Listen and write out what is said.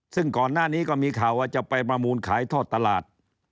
ซึ่งก่อนหน้านี้ก็มีข่าวว่าจะไปประมูลขายทอดตลาด